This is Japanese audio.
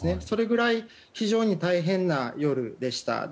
それぐらい非常に大変な夜でした。